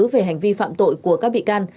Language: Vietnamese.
về hành vi phạm tội của các bị can